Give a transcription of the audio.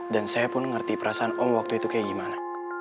dan saya pun ngerti perasaan om waktu itu kayak gimana